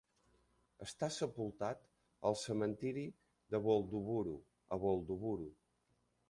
Està sepultat al cementiri de Waldoboro, a Waldoboro.